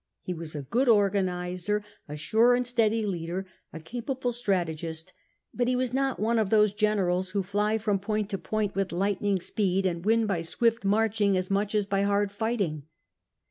He was a good organiser, a sure and steady leader, a capable strategist ; but he was not one of those generals who fly from point to point with lightning speed, and win by swift marching as much as by hard fighting.